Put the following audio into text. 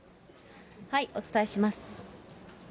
お伝えします。